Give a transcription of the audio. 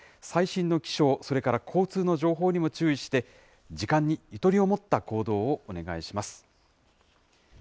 最新の気象、それから交通の情報にも注意して、時間にゆとりを持った行動をお願いします。